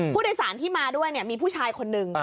ผู้โดยสารที่มาด้วยมีผู้ชายคนหนึ่ง